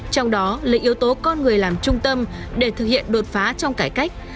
trong đó là yếu tố con người làm trung tâm để thực hiện đột phá trong cải cách